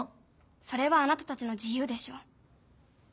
それはあなたたちの自由でしょ？